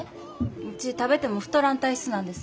ウチ食べても太らん体質なんです。